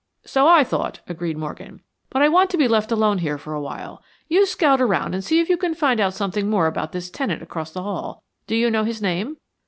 "So I thought," agreed Morgan. "But I want to be left alone here for awhile. You scout around and see if you can find out something more about this tenant across the hall. Do you know his name?"